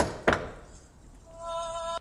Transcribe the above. اوس رانه هېره ده،